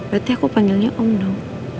berarti aku panggilnya om dong